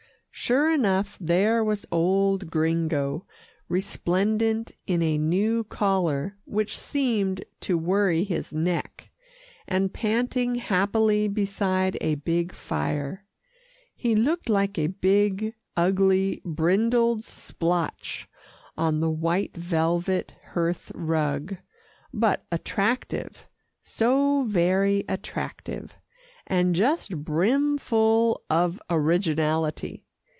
Sure enough, there was old Gringo, resplendent in a new collar which seemed to worry his neck, and panting happily beside a big fire. He looked like a big, ugly, brindled splotch on the white velvet hearth rug, but attractive, so very attractive, and just brimful of originality.